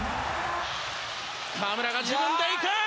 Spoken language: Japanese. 河村が自分で行く！